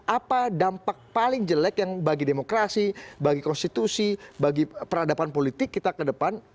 apa dampak paling jelek yang bagi demokrasi bagi konstitusi bagi peradaban politik kita ke depan